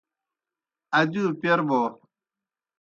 ادِیؤ پَیر بَوْ۔